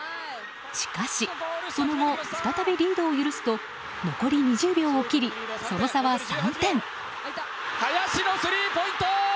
しかしその後再びリードを許すと残り２０秒を切りその差は３点。